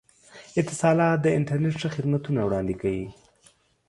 اتصالات د انترنت ښه خدمتونه وړاندې کوي.